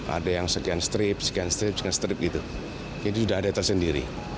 ada yang sekian strip sekian strip sekian strip gitu jadi sudah ada tersendiri